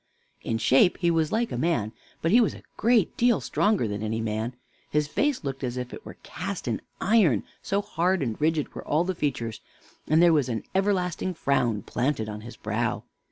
In shape he was like a man, but he was a great deal stronger than any man. His face looked as if it were cast in iron, so hard and rigid were all the features; and there was an ever lasting frown planted on his brow.